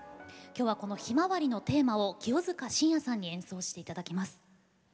きょうはこの「ひまわり」のテーマを清塚信也さんに演奏していただきます。